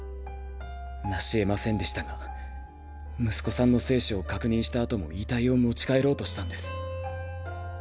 なしえませんでしたが息子さんの生死を確認したあとも遺体を持ち帰ろうとしたんです。